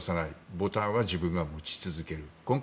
ボタンは自分が持ち続ける。